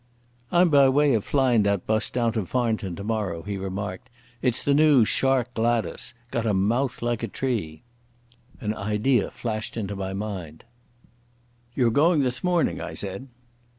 "I'm by way of flyin' that bus down to Farnton tomorrow," he remarked. "It's the new Shark Gladas. Got a mouth like a tree." An idea flashed into my mind. "You're going this morning," I said.